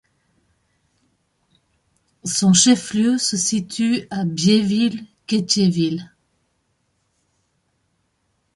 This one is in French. Son chef-lieu se situe à Biéville-Quétiéville.